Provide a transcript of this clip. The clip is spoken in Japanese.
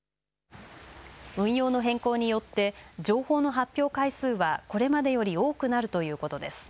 運用の変更によって情報の発表回数はこれまでより多くなるということです。